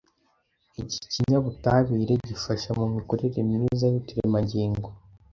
Iki kinyabutabire gifasha mu mikorere myiza y’uturemangingo,